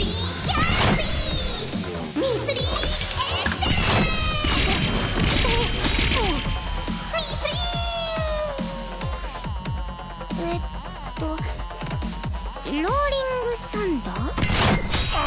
ミスリーンえっとローリングサンダー？